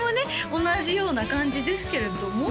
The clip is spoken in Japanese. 同じような感じですけれども？